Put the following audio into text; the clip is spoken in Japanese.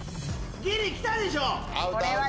ギリ来たでしょ